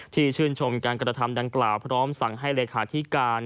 ชื่นชมการกระทำดังกล่าวพร้อมสั่งให้เลขาธิการ